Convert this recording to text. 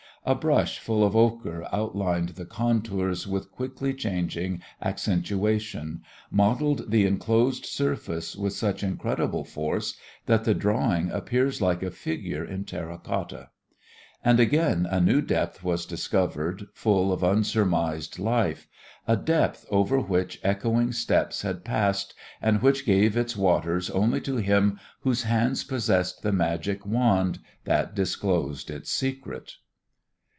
A brush full of ochre outlined the contours with quickly changing accentuation, modeled the enclosed surface with such incredible force that the drawing appears like a figure in terra cotta. And again a new depth was discovered full of unsurmised life; a depth over which echoing steps had passed and which gave its waters only to him whose hands possessed the magic wand that disclosed its secret.